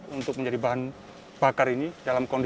untuk menjadi bahan bakar ini dalam kondisi